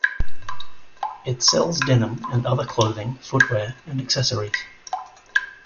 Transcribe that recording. It sells denim, and other clothing, footwear, and accessories.